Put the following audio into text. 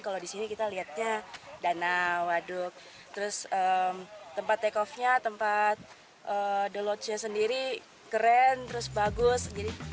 kalau di sini kita lihatnya danau waduk terus tempat take offnya tempat deloachnya sendiri keren terus bagus